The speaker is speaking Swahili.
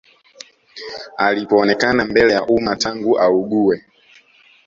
Alipoonekana mbele ya umma tangu augue